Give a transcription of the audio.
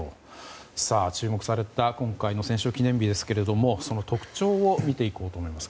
注目された今回の戦勝記念日ですがその特徴を見ていきます。